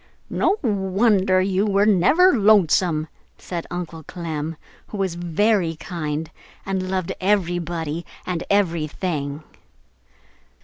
"No wonder you were never lonesome!" said Uncle Clem, who was very kind and loved everybody and everything.